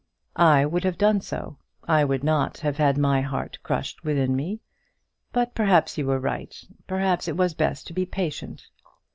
"I would have done so. I would not have had my heart crushed within me. But perhaps you were right. Perhaps it was best to be patient."